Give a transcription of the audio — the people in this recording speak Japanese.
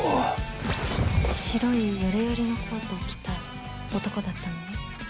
白いヨレヨレのコートを着た男だったのね？